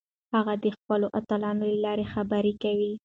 هغه د خپلو اتلانو له لارې خبرې کوي.